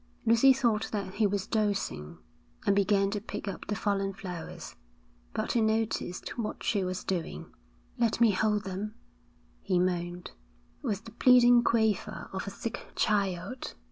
Lucy thought that he was dozing, and began to pick up the fallen flowers. But he noticed what she was doing. 'Let me hold them,' he moaned, with the pleading quaver of a sick child.